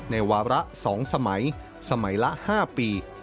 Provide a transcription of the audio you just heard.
วาระ๒สมัยสมัยละ๕ปี